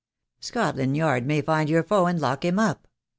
"Scotland Yard may find your foe and lock him up."